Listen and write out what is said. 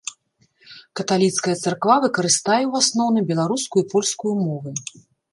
Каталіцкая царква выкарыстае ў асноўным беларускую і польскую мовы.